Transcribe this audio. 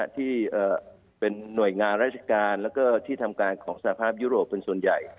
ที่เป็นหน่วยงานราชการแล้วก็ที่ทำการของสภาพยุโรปเป็นส่วนใหญ่